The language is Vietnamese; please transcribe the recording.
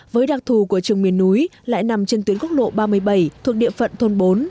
với đặc thù của trường miền núi lại nằm trên tuyến quốc lộ ba mươi bảy thuộc địa phận thôn bốn